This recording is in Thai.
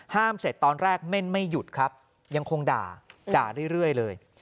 เสร็จตอนแรกเม่นไม่หยุดครับยังคงด่าด่าเรื่อยเลย